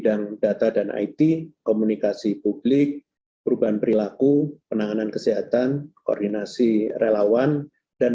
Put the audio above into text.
dari it komunikasi publik perubahan perilaku penanganan kesehatan koordinasi relawan dan